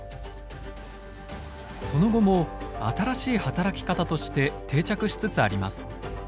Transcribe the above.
その後も新しい働き方として定着しつつあります。